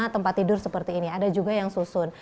tempat tidur seperti ini ada juga yang susun